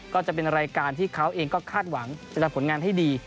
ก็จะเป็นรายการที่เขาเองก็คาดหวังจะทำผลงานให้ดี